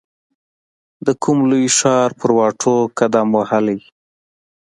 د کوم لوی ښار پر واټو قدم وهلی